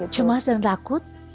cemas dan takut